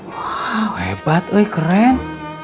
wah hebat wih keren